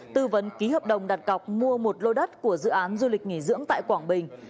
tư vấn ký hợp đồng đặt cọc mua một lô đất của dự án du lịch nghỉ dưỡng tại quảng bình